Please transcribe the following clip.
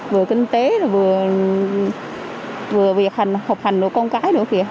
vừa kinh tế vừa việc hành học hành của con cái nữa kìa